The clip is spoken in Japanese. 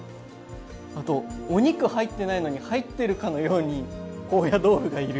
あとお肉入ってないのに入ってるかのように高野豆腐がいる。